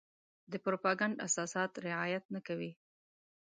د پروپاګنډ اساسات رعايت نه کوي.